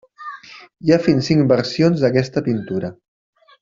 Hi ha fins a cinc versions d'aquesta pintura.